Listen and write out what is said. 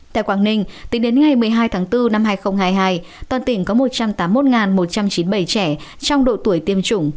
tại quảng ninh tính đến ngày một mươi hai tháng bốn năm hai nghìn hai mươi hai toàn tỉnh có một trăm tám mươi một một trăm chín mươi bảy trẻ trong độ tuổi tiêm chủng